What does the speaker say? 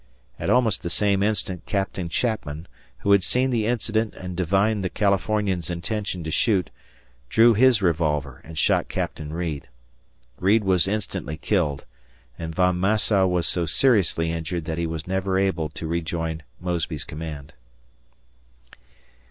At almost the same instant Captain Chapman, who had seen the incident and divined the Californian's intention to shoot, drew his revolver and shot Captain Reid. Reid was instantly killed, and Von Massow was so seriously injured that he was never able to rejoin Mosby's command.